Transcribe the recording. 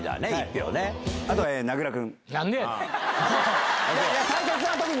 あと、名倉君。